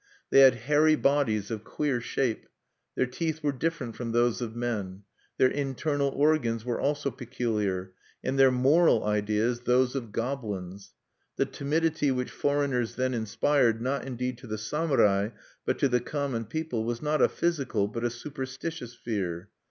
They had hairy bodies of queer shape; their teeth were different from those of men; their internal organs were also peculiar; and their moral ideas those of goblins. The timidity which foreigners then inspired, not, indeed, to the samurai, but to the common people, was not a physical, but a superstitious fear.